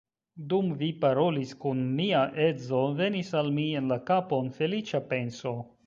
Dum vi parolis kun mia edzo, venis al mi en la kapon feliĉa penso.